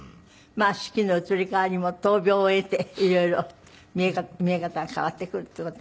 まあ四季の移り変わりも闘病を経て色々見え方が変わってくるっていう事もあるでしょうかね。